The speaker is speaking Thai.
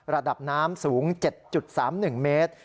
ระดับน้ำสูง๗๓๑เมตร